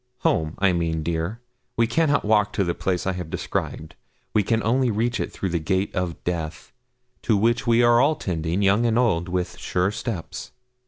'Home, I mean, dear. We cannot walk to the place I have described. We can only reach it through the gate of death, to which we are all tending, young and old, with sure steps.'